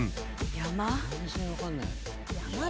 山？